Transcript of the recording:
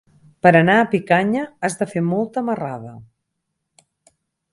Per anar a Picanya has de fer molta marrada.